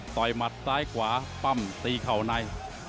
ยหมัดซ้ายขวาปั้มตีเข่าใน